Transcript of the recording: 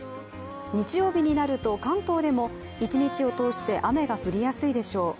日曜日になると関東でも１日を通して雨が降りやすいでしょう。